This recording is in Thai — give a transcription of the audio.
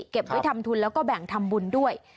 เก็บไว้ทำทุนแล้วก็แบ่งทำบุญด้วย